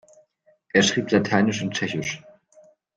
Er schrieb lateinisch und tschechisch.